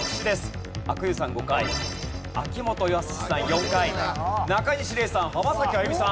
阿久悠さん５回秋元康さん４回なかにし礼さん浜崎あゆみさん。